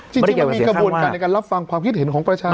จริงมันมีกระบวนการในการรับฟังความคิดเห็นของประชาชน